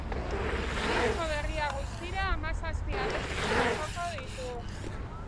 Disko berriak guztira hamazazpi abesti jasoko ditu.